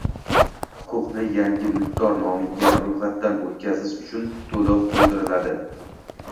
Huquqni yangi mulkdor nomiga roʼyxatdan oʼtkazish uchun toʼlov undiriladi